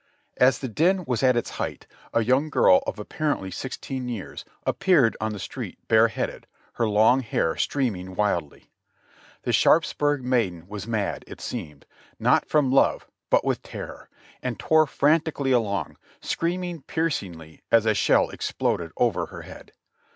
As the din was at its height a young girl of apparently sixteen years appeared on the street bareheaded, her long hair streaming wildly. The Sharpsburg maiden was mad, it seemed, not from love but with terror, and tore frantically along, scream ing piercingly as a shell exploded over her head.